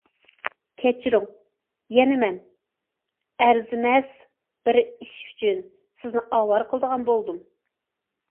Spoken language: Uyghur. كەچۈرۈڭ، يەنە مەن... ئەرزىمەس بىر ئىش ئۈچۈن سىزنى ئاۋارە قىلىدىغان بولدۇم!